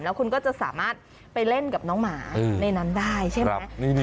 แล้วคุณก็จะสามารถไปเล่นกับน้องหมาในนั้นได้ใช่ไหม